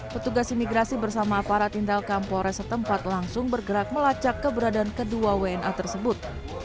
petugas imigrasi bersama aparat indal kampores setempat langsung bergerak melacak keberadaan kedua wna tersebut